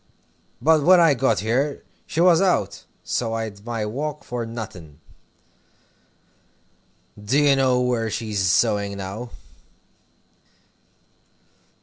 But when I got there, she was out, so I'd my walk for nothing. Do you know where she's sewing now?"